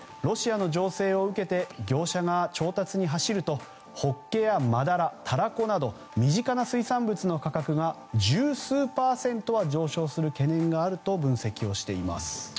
ロシアの情勢を受けて業者が調達に走るとホッケやマダラタラコなど身近な水産物の価格が十数パーセントは上昇する懸念があると分析しています。